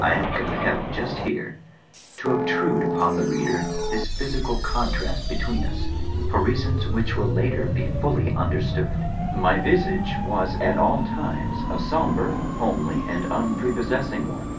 I am compelled, just here, to obtrude upon the reader this physical contrast between us, for reasons which will later be fully understood. My visage was at all times a sombre, homely and unprepossessing one.